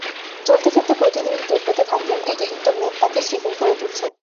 চলতে-ফিরতে প্রতিদিনই টের পেতে থাকলেন, অতিরিক্ত মেদ তাঁকে শ্রীহীন করে তুলছে।